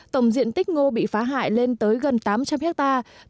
tổng diện tích ngô bị phá hại lên tới gần tám trăm linh hectare